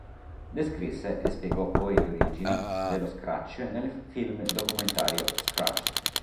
Descrisse e spiegò poi le origini dello scratch nel film documentario "Scratch".